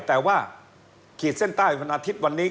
แต่ว่าขีดเส้นใต้วันอาทิตย์วันนี้